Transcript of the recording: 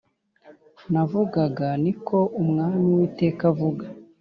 navugaga Ni ko Umwami Uwiteka avuga